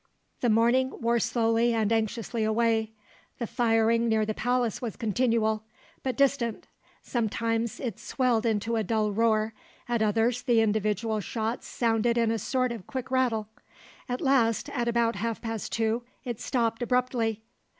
The morning wore slowly and anxiously away. The firing near the palace was continual, but distant. Sometimes it swelled into a dull roar, at others the individual shots sounded in a sort of quick rattle. At last, at about half past two, it stopped abruptly.